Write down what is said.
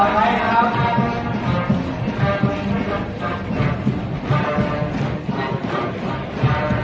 ลุกลุกลุก